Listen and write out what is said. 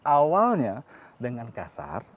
awalnya dengan kasar